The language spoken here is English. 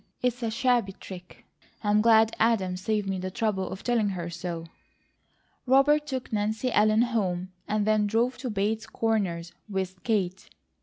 It's a shabby trick. I'm glad Adam saved me the trouble of telling her so." Robert took Nancy Ellen home, and then drove to Bates Corners with Kate.